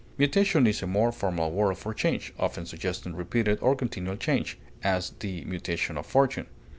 Mutation is a more formal word for change, often suggesting repeated or continual change; as, the mutations of fortune.